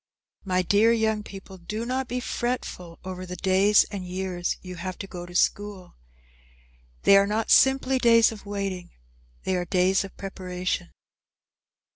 My dear young people, do not be fretful over the days and years you have to go to school. They are not simply days of waiting, they are days of preparation.